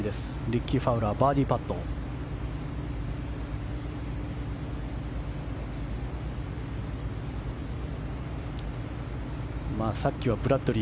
リッキー・ファウラーバーディーパット。